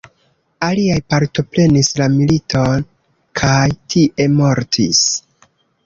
Aliaj partoprenis la militon kaj tie mortis.